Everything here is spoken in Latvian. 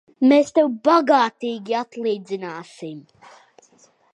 Mēs tev bagātīgi atlīdzināsim!